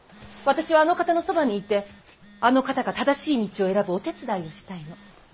私はあの方のそばにいてあの方が正しい道を選ぶお手伝いをしたいの。